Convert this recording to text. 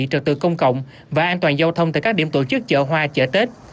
trực tự công cộng và an toàn giao thông tại các điểm tổ chức chợ hoa chợ tết